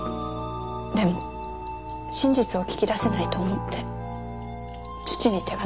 でも真実を聞き出せないと思って父に手紙を書いたんです。